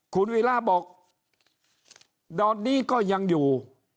คุณวีระบอกดอดนี้ก็ยังอยู่